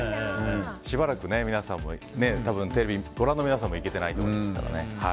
しばらく皆さんも多分、テレビをご覧の皆さんも行けてないと思いますからね。